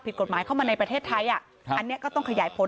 ผิดกฎหมายเข้ามาในประเทศไทยอันนี้ก็ต้องขยายผล